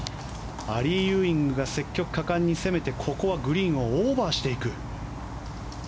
アリー・ユーイングが積極果敢に攻めてここはグリーンをオーバーしていく。